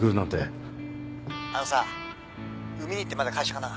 あのさ海兄ってまだ会社かな？